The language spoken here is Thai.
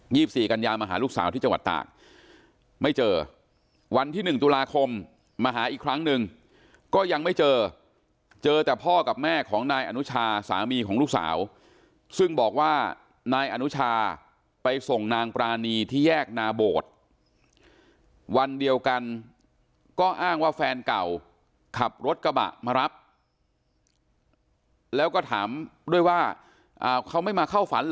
กันยามาหาลูกสาวที่จังหวัดตากไม่เจอวันที่หนึ่งตุลาคมมาหาอีกครั้งหนึ่งก็ยังไม่เจอเจอแต่พ่อกับแม่ของนายอนุชาสามีของลูกสาวซึ่งบอกว่านายอนุชาไปส่งนางปรานีที่แยกนาโบดวันเดียวกันก็อ้างว่าแฟนเก่าขับรถกระบะมารับแล้วก็ถามด้วยว่าเขาไม่มาเข้าฝัน